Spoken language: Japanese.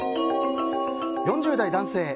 ４０代男性。